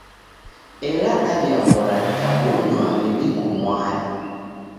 Ela dawi'aghora rikabonywa riw'iko mwari.